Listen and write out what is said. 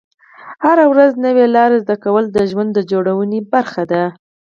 هره ورځ نوې لارې زده کول د ژوند جوړونې برخه ده.